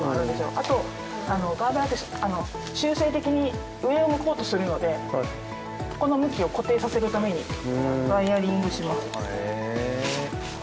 あとガーベラって習性的に上を向こうとするのでこの向きを固定させるためにワイヤリングします。